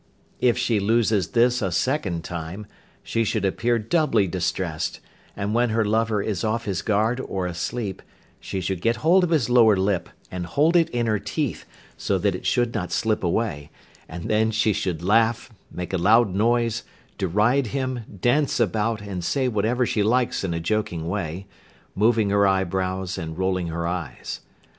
If she loses this a second time, she should appear doubly distressed, and when her lover is off his guard or asleep, she should get hold of his lower lip, and hold it in her teeth, so that it should not slip away, and then she should laugh, make a loud noise, deride him, dance about, and say whatever she likes in a joking way, moving her eyebrows, and rolling her eyes.